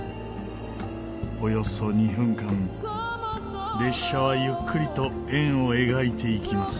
およそ２分間列車はゆっくりと円を描いていきます。